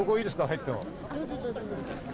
入っても。